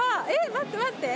待って待って。